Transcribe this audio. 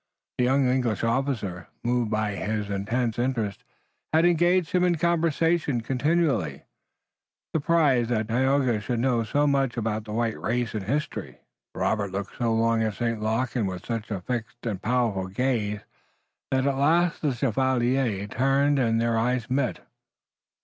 The young English officer, moved by his intense interest, had engaged him in conversation continually, surprised that Tayoga should know so much about the white race and history. Robert looked so long at St. Luc, and with such a fixed and powerful gaze, that at last the chevalier turned and their eyes met.